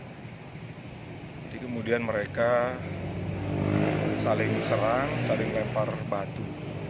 jadi kemudian mereka saling serang saling lempar batu